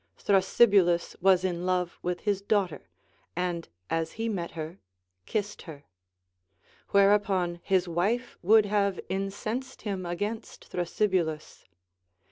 Thrasybulus Avas in love with his daughter, and as he met her, kissed her ; whereupon his wife would have incensed him against Thrasybulus.